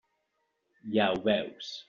Ja ho veus.